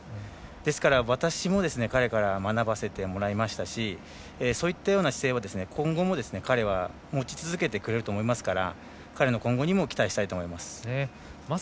ですから、私も彼から学ばせてもらいましたしそういったような姿勢を今後も、彼は持ち続けてくれると思いますから彼の今後にも期待したいと思います。